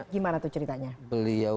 gimana tuh ceritanya